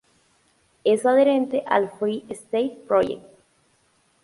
Es adherente al Free State Project.